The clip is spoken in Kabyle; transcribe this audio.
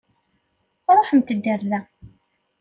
Ṛuḥemt-d ar da.